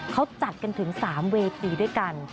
เขาจัดกันถึง๓เวทีด้วยกัน